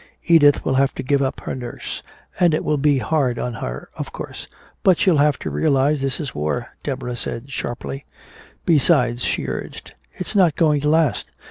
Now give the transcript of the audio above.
Edith will have to give up her nurse and it will be hard on her, of course but she'll have to realize this is war," Deborah said sharply. "Besides," she urged, "it's not going to last.